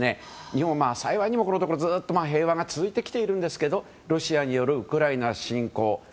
日本は幸いにもこのところずっと平和が続いてきているんですがロシアによるウクライナ侵攻。